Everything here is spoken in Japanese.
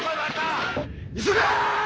急げ！